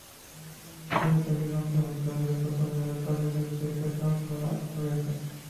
রংপুর নগরের দখিগঞ্জ বধ্যভূমিতে গতকাল রোববার বিকেলে শহীদদের স্মরণে আলোচনা সভা হয়েছে।